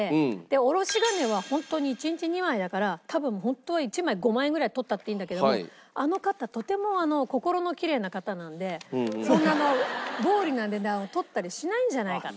おろし金はホントに一日２枚だから多分ホントは１枚５万円ぐらい取ったっていいんだけどもあの方とても心のきれいな方なんでそんな暴利な値段を取ったりしないんじゃないかと。